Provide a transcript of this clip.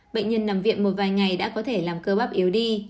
bệnh nhân nằm viện một vài ngày đã có thể làm cơ bắp yếu đi